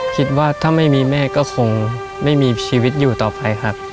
คิดว่าถ้าไม่มีแม่ก็คงไม่มีชีวิตอยู่ต่อไปครับ